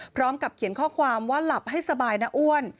พร้อมกับเขียนข้อความว่าหลับให้สบายนะอ้วน